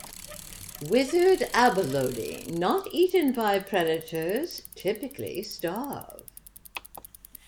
Withered abalone not eaten by predators typically starve.